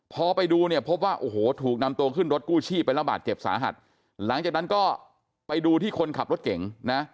พอไปดูเนี่ยพบว่าโอ้โหถูกนำตัวขึ้นรถกู้ชีพไประบาดเจ็บสาหัสหลังจากนั้นก็ไปดูที่คนขับรถเก่งนะ